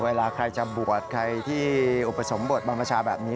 เวลาใครจะบวชใครที่อุปสมบทบังชาแบบนี้